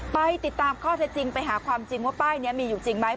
ไปติดตามข้อเท็จจริงไปหาความจริงว่าป้ายนี้มีอยู่จริงไหม